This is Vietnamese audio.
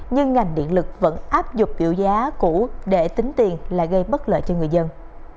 nhưng ngành điện lực vẫn áp dụng biểu giá cũ để tính tiền là gây bất lợi cho người dân